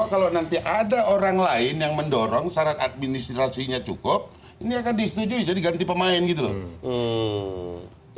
kalau nanti ada orang lain yang mendorong syarat administrasinya cukup ini akan disetujui jadi ganti pemain gitu loh